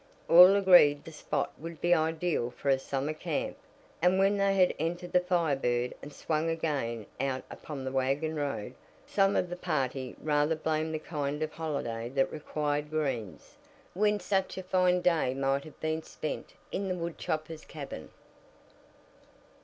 All agreed the spot would be ideal for a summer camp, and when they had entered the Fire Bird and swung again out upon the wagon road, some of the party rather blamed the kind of holiday that required greens, when such a fine day might have been spent in the woodchopper's cabin.